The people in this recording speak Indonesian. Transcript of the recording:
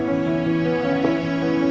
tapi dana kau sesuai